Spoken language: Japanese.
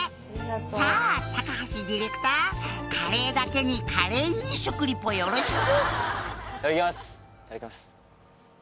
「さぁ高橋ディレクターカレーだけに華麗に食リポよろしく！」